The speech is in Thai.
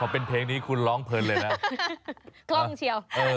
เป็นเพลงที่คุณร้องเพลงเลยนะ